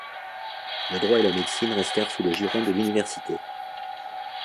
Le droit et la médecine restèrent sous le giron de l'université.